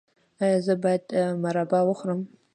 ایا زه باید مربا وخورم؟